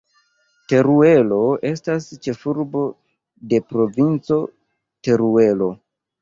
Teruelo estas ĉefurbo de Provinco Teruelo.